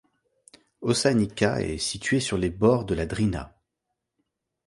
Osanica est situé sur les bords de la Drina.